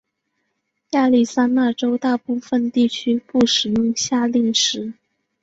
亚利桑那州大部分地区不使用夏令时。